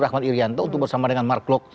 rahmat irianto bersama mark klok